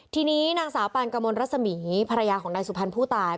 ทีนี้นางสาวปานกระมวลรัศมีภรรยาของนายสุพรรณผู้ตาย